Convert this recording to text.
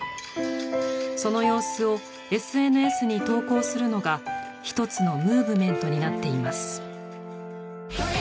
その様子をＳＮＳに投稿するのが一つのムーブメントになっています。